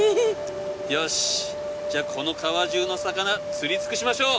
よしじゃあこの川じゅうの魚釣りつくしましょう！